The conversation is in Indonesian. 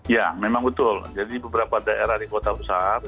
ya memang betul jadi beberapa daerah di kota besar